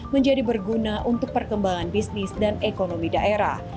menjadi berguna untuk perkembangan bisnis dan ekonomi daerah